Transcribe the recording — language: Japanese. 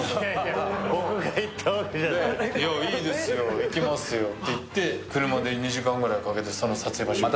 いいですよ、行きますよと言って車で２時間ぐらいかけて撮影場所に行って。